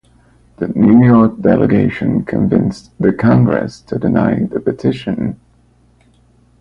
The New York delegation convinced the Congress to deny the petition.